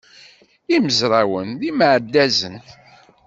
Imezrawen d imeɛdazen.